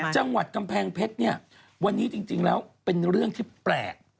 จังหวัดกำแพงเพชรเนี่ยวันนี้จริงแล้วเป็นเรื่องที่แปลก